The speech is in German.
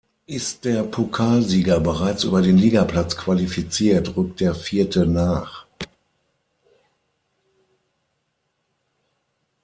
Ist der Pokalsieger bereits über den Ligaplatz qualifiziert, rückt der Vierte nach.